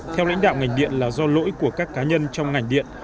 theo lãnh đạo ngành điện là do lỗi của các cá nhân trong ngành điện